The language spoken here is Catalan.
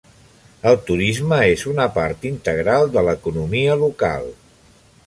El turisme és una part integral de l'economia local.